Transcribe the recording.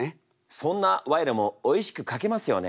そんな賄賂もおいしく書けますよね？